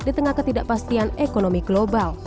di tengah ketidakpastian ekonomi global